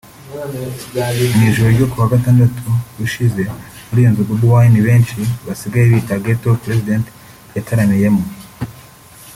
Mu iijoro ryo kuwa gatandatu ushize muri iyi nzu Bobi Wine benshi basigaye bita Ghetto President yataramiyemo